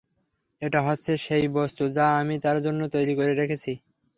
এটা হচ্ছে সেই বস্তু যা আমি তার জন্যে তৈরি করে রেখেছি।